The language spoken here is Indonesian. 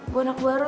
bu anak baru